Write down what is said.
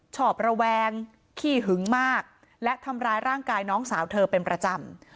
อบระแวงขี้หึงมากและทำร้ายร่างกายน้องสาวเธอเป็นประจำ